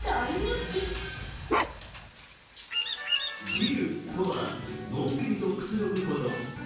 「チル」とは、のんびりとくつろぐこと。